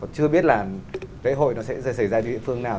chưa biết là lễ hội nó sẽ xảy ra cho địa phương nào